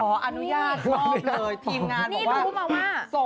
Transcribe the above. อร่อยพีมงานแปลว่า